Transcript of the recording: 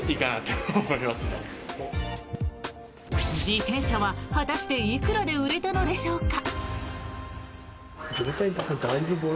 自転車は、果たしていくらで売れたのでしょうか。